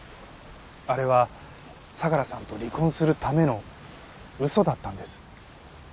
あれは相良さんと離婚するための嘘だったんです。